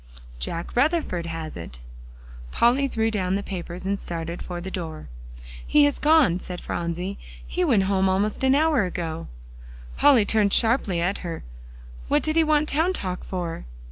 "Jack Rutherford has it." Polly threw down the papers, and started for the door. "He has gone," said Phronsie; "he went home almost an hour ago." Polly turned sharply at her. "What did he want Town Talk for?"